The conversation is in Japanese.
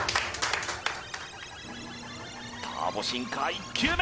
ターボシンカー１球目！